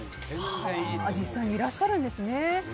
実際にいらっしゃるんですね。